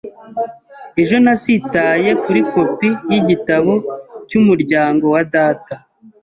Ejo nasitaye kuri kopi yigitabo cyumuryango wa data.